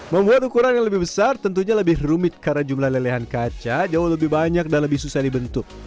membuat ukuran yang lebih besar tentunya lebih rumit karena jumlah lelehan kaca jauh lebih banyak dan lebih susah dibentuk